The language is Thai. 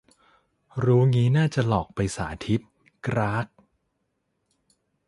รู้งี้น่าจะหลอกไปสาธิต กร๊าก